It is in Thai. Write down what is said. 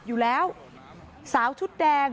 เมื่อเวลาอันดับ